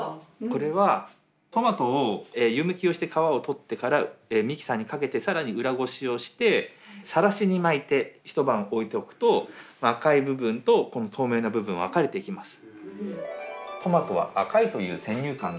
これはトマトを湯むきをして皮を取ってからミキサーにかけて更に裏ごしをしてさらしに巻いて一晩置いとくと赤い部分とこの透明な部分分かれていきます。